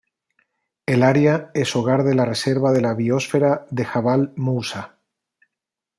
El área es hogar de la reserva de la biósfera de Jabal Moussa.